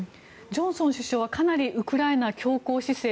ジョンソン首相はかなりウクライナ、強硬姿勢。